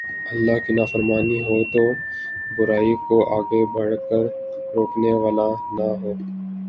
اللہ کی نافرمانی ہو اور برائی کوآگے بڑھ کر روکنے والا نہ ہو